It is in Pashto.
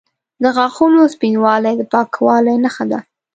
د غاښونو سپینوالی د پاکوالي نښه ده.